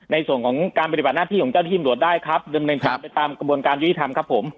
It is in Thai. ในส่วนของการปฏิบัติหน้าที่ของเจ้าทีมรวดได้ครับไปตามกระบวนการยุทิศทำครับผม